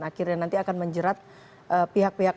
akhirnya nanti akan menjerat pihak pihak